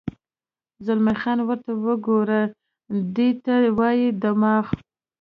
زلمی خان: ورته وګوره، دې ته وایي دماغ.